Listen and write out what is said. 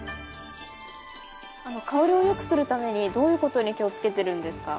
香りをよくするためにどういうことに気をつけてるんですか？